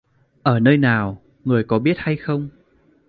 Ở nơi nào, người có biết hay không?